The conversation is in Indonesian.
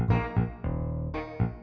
emanya udah pulang kok